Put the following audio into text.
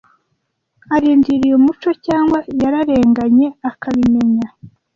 Arindiriye umuco, cyangwa yararenganye akabimenya?